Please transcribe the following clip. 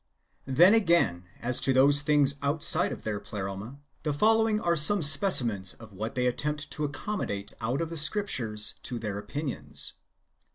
Then, again, as to those things outside of their Pleroma, the following are some specimens of what they attempt to accommodate out of the Scriptures to their opinions.